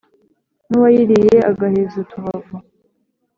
N'uwayiriye agaheza utubavu,